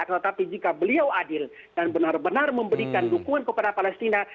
tetapi jika beliau adil dan benar benar memberikan dukungan kepada palestina